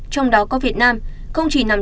trong đó có việt nam không chỉ nằm